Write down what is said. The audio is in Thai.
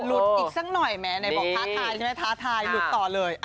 อีกสักหน่อยแม้ไหนบอกท้าทายใช่ไหมท้าทายหลุดต่อเลย